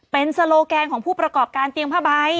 เป็นโซโลแกนของผู้ประกอบการเตียงผ้าใบ